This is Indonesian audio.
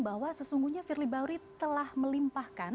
bahwa sesungguhnya firly bahuri telah melimpahkan